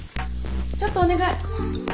ちょっとお願い。